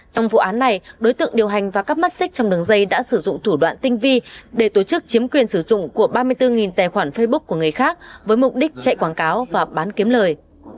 trong vụ án này đối tượng điều hành và cắp mắt xích trong đường dây đã sử dụng thủ đoạn tinh vi để tổ chức chiếm quyền sử dụng của ba mươi bốn tài khoản facebook của người khác với mục đích chạy quảng cáo và bán kiếm lời